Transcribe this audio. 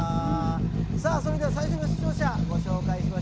さあそれでは最初の出場者ご紹介しましょう。